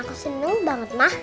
aku seneng banget ma